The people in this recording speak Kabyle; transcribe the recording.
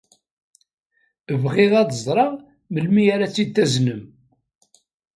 Bɣiɣ ad ẓreɣ melmi ara tt-id-taznem.